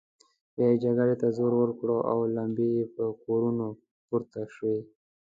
بيا يې جګړې ته زور ورکړ او لمبې يې پر کورونو پورته شوې.